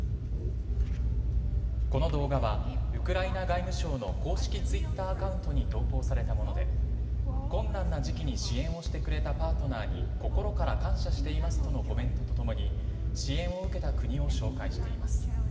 この動画は、ウクライナ外務省の公式ツイッターアカウントに投稿されたもので、困難な時期に支援をしてくれたパートナーに、心から感謝していますとのコメントとともに、支援を受けた国を紹介しています。